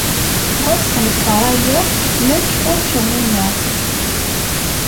Ɣas tenkeṛ aya, nekk ur tt-umineɣ.